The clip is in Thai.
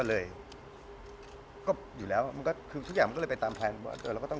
ทุกอย่างก็อยู่ตามคำถามตั้งกัน